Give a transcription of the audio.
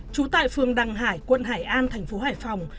trú tại phường đằng hải quận hải an thành phố hải phòng